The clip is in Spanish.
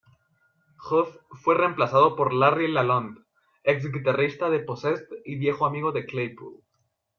Huth fue reemplazado por Larry LaLonde, ex-guitarrista de Possessed y viejo amigo de Claypool.